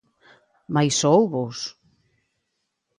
Mais hóuboos.